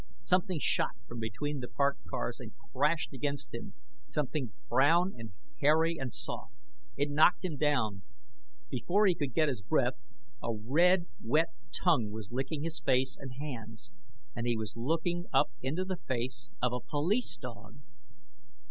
Something shot from between the parked cars and crashed against him; something brown and hairy and soft. It knocked him down. Before he could get his breath, a red, wet tongue was licking his face and hands, and he was looking up into the face of a police dog!